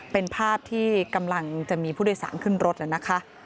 เป็นภาพที่กำลังจะมีผู้โดยสารขึ้นรถแล้วนะคะ